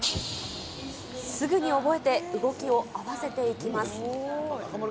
すぐに覚えて動きを合わせていきます。